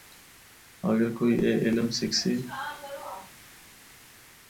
اگر کوئی اے علم سکھسی۔